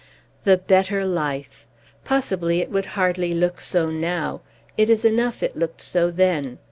The better life! Possibly, it would hardly look so now; it is enough if it looked so then.